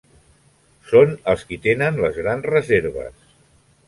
Són els qui tenen les grans reserves.